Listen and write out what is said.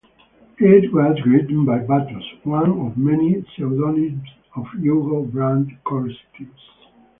It was written by 'Battus', one of many pseudonyms of Hugo Brandt Corstius.